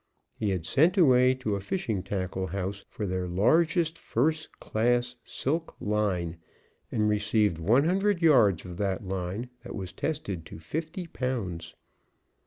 He had sent away to a fishing tackle house for their largest first class silk line, and received one hundred yards of line that was tested to fifty pounds.